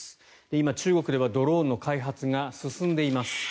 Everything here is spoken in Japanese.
今、中国ではドローンの開発が進んでいます。